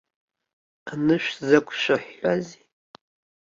Анышә зақәшәыҳәҳәазеи?